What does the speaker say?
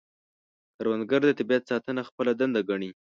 کروندګر د طبیعت ساتنه خپله دنده ګڼي